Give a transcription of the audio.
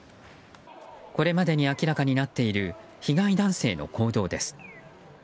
これまでに明らかになっている被害男性の行動です。